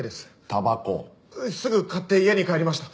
すぐ買って家に帰りました。